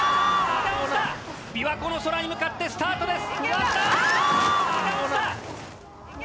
琵琶湖の空に向かってスタートです！